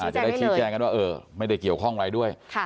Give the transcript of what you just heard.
จะได้ชี้แจ้งกันว่าไม่ได้เกี่ยวข้องอะไรด้วย